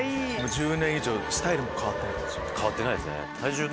１０年以上スタイル変わってない。